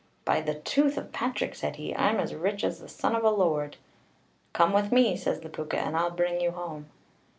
"By the tooth of Patric," said he, "I'm as rich as the son of a lord." "Come with me," says the Púca, "and I'll bring you home."